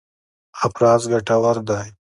افراز ګټور دی.